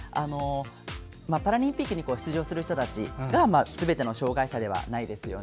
パラリンピックに出場する人たちがすべての障がい者ではないですよね。